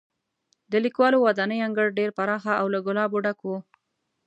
د لیکوالو ودانۍ انګړ ډېر پراخه او له ګلابو ډک و.